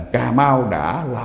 cà mau đã là